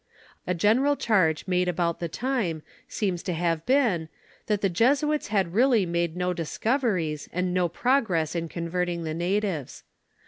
A general charge made about the time Bcems to have been, that the Jesuits had really made no discoveries, and no progress in converting the natives.